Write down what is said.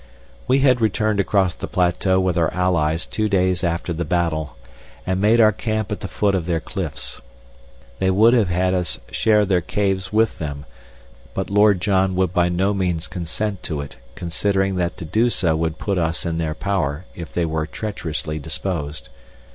We had returned across the plateau with our allies two days after the battle, and made our camp at the foot of their cliffs. They would have had us share their caves with them, but Lord John would by no means consent to it considering that to do so would put us in their power if they were treacherously disposed.